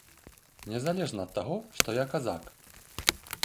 Незалежна ад таго, што я казак.